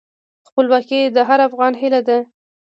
خپلواکي د هر افغان هیله ده.